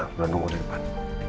belum nunggu depan